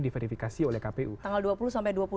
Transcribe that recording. diverifikasi oleh kpu tanggal dua puluh sampai